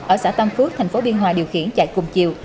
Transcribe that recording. ở xã tâm phước thành phố biên hòa điều khiển chạy cùng chiều